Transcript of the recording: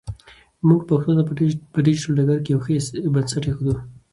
موږ پښتو ته په ډیجیټل ډګر کې یو ښه بنسټ ایږدو.